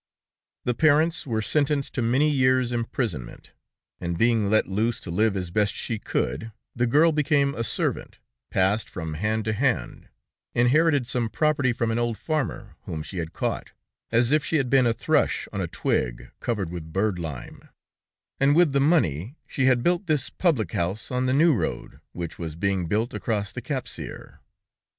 The parents were sentenced to many years' imprisonment, and being let loose to live as best she could, the girl became a servant, passed from hand to hand, inherited some property from an old farmer, whom she had caught, as if she had been a thrush on a twig covered with bird lime, and with the money she had built this public house on the new road which was being built across the Capsir.